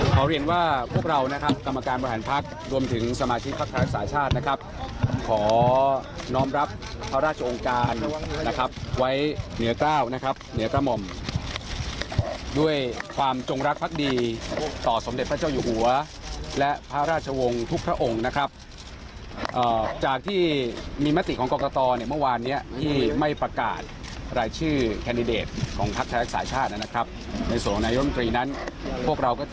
ขอเรียนว่าพวกเรานะครับกรรมการบริหารภักษ์รวมถึงสมาชิกภักษ์ไทยรักษาชาตินะครับขอน้องรับพระราชองค์การนะครับไว้เหนือกล้าวนะครับเหนือกล้ามมด้วยความจงรักษ์ภักษ์ดีต่อสมเด็จพระเจ้าอยู่หัวและพระราชวงศ์ทุกพระองค์นะครับจากที่มีมติของกรกฏอเนี่ยเมื่อวานเนี้ยที่ไม่ประกาศร